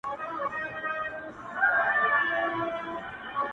پاڅه چي ځو ترې _ ه ياره _